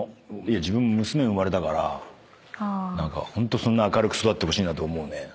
自分も娘生まれたから何かホントそんな明るく育ってほしいなと思うね。